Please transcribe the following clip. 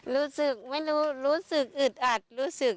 รู้สึกไม่รู้รู้สึกอึดอัดรู้สึก